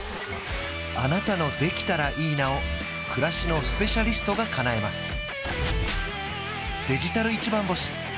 あなたの「できたらいいな」を暮らしのスペシャリストがかなえます